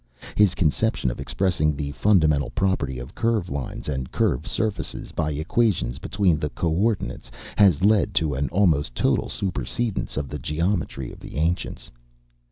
His conception of expressing the fundamental property of curve lines and curve surfaces by equations between the co ordinates has led to an almost total supersedence of the geometry of the ancients.